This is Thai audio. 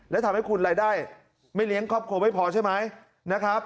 และทำให้คุณรายได้ไม่เลี้ยงครอบครัวไม่พอใช่ไหมนะครับ